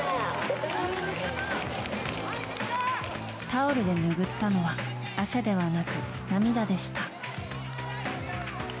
タオルで拭ったのは汗ではなく涙でした。